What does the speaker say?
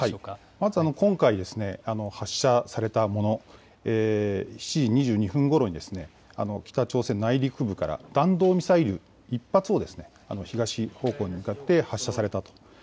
まず今回、発射されたもの、７時２２分ごろに、北朝鮮内陸部から弾道ミサイル１発を、東方向に向かって発射されたと。